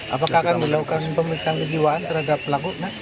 apakah akan melakukan pemeriksaan kejiwaan terhadap pelaku